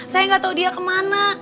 saya gak tau dia kemana